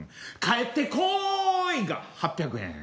「帰ってこい！」が８００円。